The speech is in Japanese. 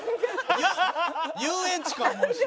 遊園地か思うし。